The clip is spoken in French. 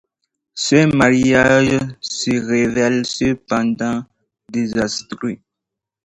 Ce mariage se révèle cependant désastreux.